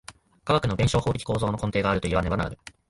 科学の弁証法的構造の根底があるといわねばならぬ。